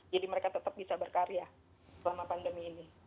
jadi mereka tetap bisa berkarya selama pandemi ini